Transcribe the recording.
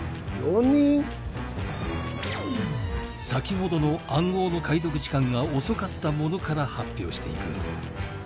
「先ほどの暗号の解読時間が遅かった者から発表していく」